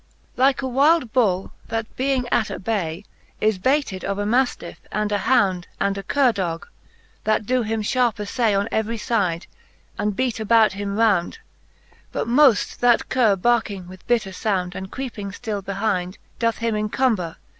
XIX. Like a wylde Bull, that being at a bay, Is bayted of a maftiffe, and a hound, And a curre dog ; that doe him fharpe aflay On every fide, and beat about him round ; But moft that curre barking with bitter fownd. And creeping ftill behinde, doth him incomber.